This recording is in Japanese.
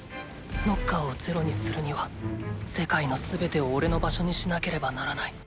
ノッカーをゼロにするには世界の全てをおれの場所にしなければならない。